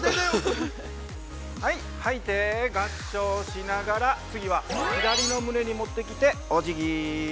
はい、吐いて合掌しながら、次は、左の胸に持ってきておじぎ。